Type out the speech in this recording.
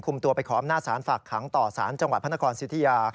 ตัวไปขออำนาจศาลฝากขังต่อสารจังหวัดพระนครสิทธิยา